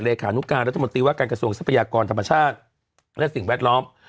นุการรัฐมนตรีว่าการกระทรวงทรัพยากรธรรมชาติและสิ่งแวดล้อม